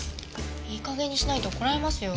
いい加減にしないと怒られますよ。